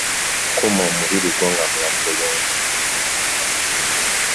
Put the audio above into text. Kuuma omubiri gwo nga mulamu bulungi.